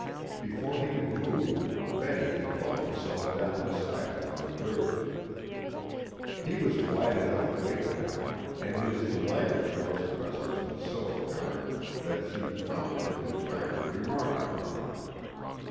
Before he could move Betty had plumped herself down beside him on the bridge. He was wide enough awake now, and his delight at the girl's presence was so apparent that she promptly and frankly remarked upon it.